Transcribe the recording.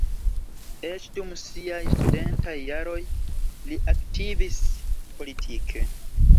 Eĉ dum siaj studentaj jaroj li aktivis politike.